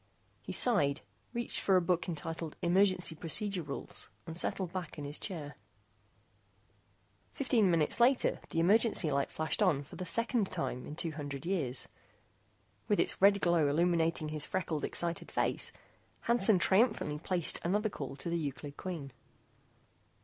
He sighed, reached for a book entitled Emergency Procedure Rules, and settled back in his chair. Fifteen minutes later the emergency light flashed on for the second time in two hundred years. With its red glow illuminating his freckled excited face, Hansen triumphantly placed another call to the Euclid Queen.